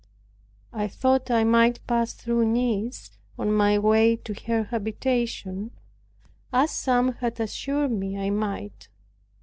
I thought I might pass through Nice on my way to her habitation, as some had assured me I might.